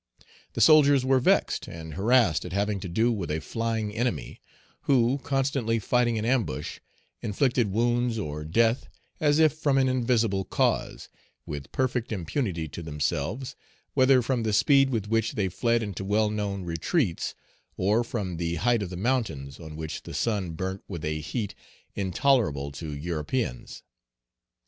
The soldiers were vexed and harassed at having to do with a flying enemy, who, constantly fighting in ambush, inflicted wounds or death as if from an invisible cause, with perfect impunity to themselves, whether from the speed with which they fled into well known retreats, or from the height of the mountains, on which the sun burnt with a heat intolerable to Europeans.